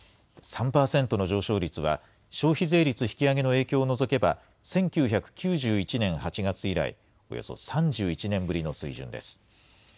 ３％の上昇率は、消費税率引き上げの影響を除けば、１９９１年８月以来、およそ３１年ぶりの水準です。